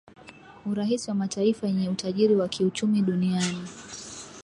urahisi wa mataifa yenye utajiri wa kiuchumi duniani